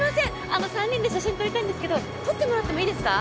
あの３人で写真撮りたいんですけど撮ってもらってもいいですか？